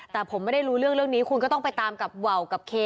แต่ผมไม่ได้รู้เรื่องเรื่องนี้คุณก็ต้องไปตามกับว่าวกับเค